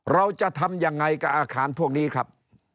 เราจะทำยังไงกับอาคารพวกนี้ครับ